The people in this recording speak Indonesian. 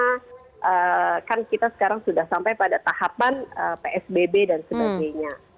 karena kan kita sekarang sudah sampai pada tahapan psbb dan sebagainya